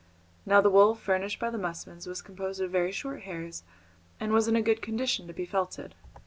Now the wool furnished by the musmons was composed of very short hairs, and was in a good condition to be felted.